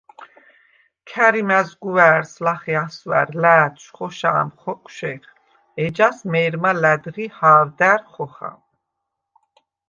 ქა̈რი მა̈ზგუვა̄̈რს ლახე ასვა̈რ ლა̄̈თშვ ხოშა̄მ ხოკვშეხ, ეჯას მე̄რმა ლა̈დღი ჰა̄ვდა̈რ ხოხა.